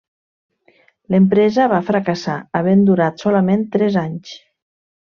L'empresa va fracassar, havent durat solament tres anys.